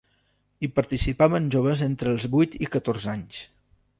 Hi participaven joves entre els vuit i catorze anys.